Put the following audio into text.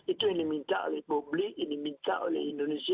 itu yang diminta oleh publik yang diminta oleh indonesia